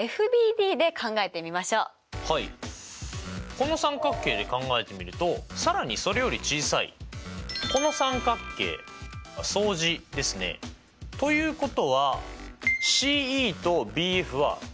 この三角形で考えてみると更にそれより小さいこの三角形が相似ですね。ということはＣＥとＢＦは平行。